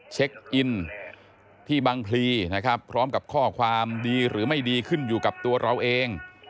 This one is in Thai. เช็คอินที่บังพลีนะครับพร้อมกับข้อความดีหรือไม่ดีขึ้นอยู่กับตัวเราเอง